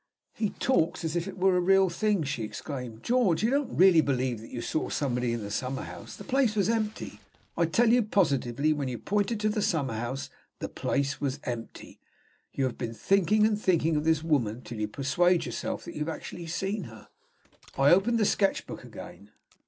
"He talks as if it were a real thing!" she exclaimed. "George, you don't really believe that you saw somebody in the summer house? The place was empty. I tell you positively, when you pointed into the summer house, the place was empty. You have been thinking and thinking of this woman till you persuade yourself that you have actually seen her." I opened the sketch book again.